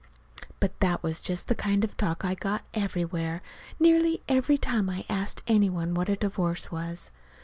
But that was just the kind of talk I got, everywhere, nearly every time I asked any one what a divorce was.